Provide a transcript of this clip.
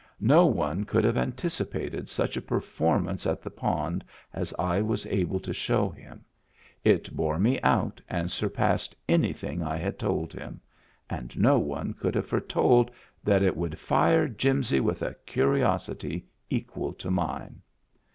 No one could have anticipated such a performance at the pond as I was able to show him — it bore me out and sur passed anything I had told him — and no one could have foretold that it would fire Jimsy with a curiosity equal to mine.